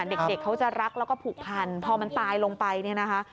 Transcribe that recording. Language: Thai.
เด็กเขาจะรักแล้วก็ผูกพันพอมันตายลงไปเนี่ยนะคะ